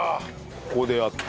ここでやっと。